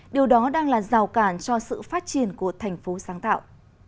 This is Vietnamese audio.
điều đó đang là rào cản cho sự phát triển của thành phố sáng tạo